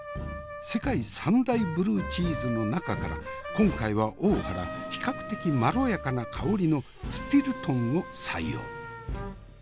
世界三大ブルーチーズの中から今回は大原比較的まろやかな香りのスティルトンを採用。